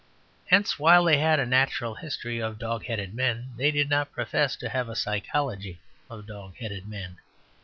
Hence, while they had a natural history of dog headed men, they did not profess to have a psychology of dog headed men.